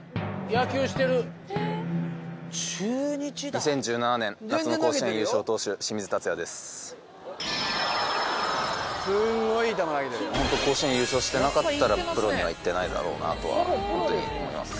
野球してるホント甲子園優勝してなかったらプロには行ってないだろうなとはホントに思います